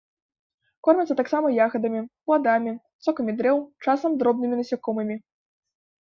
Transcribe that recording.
Кормяцца таксама ягадамі, пладамі, сокам дрэў, часам дробнымі насякомымі.